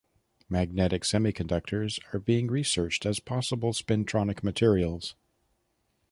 Magnetic semiconductors are being researched as possible spintronic materials.